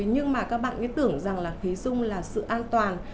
nhưng mà các bạn tưởng rằng khí dung là sự an toàn